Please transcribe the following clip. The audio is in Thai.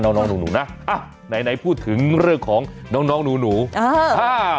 น้องน้องหนูนะอ่ะไหนไหนพูดถึงเรื่องของน้องน้องหนูหนูอ่า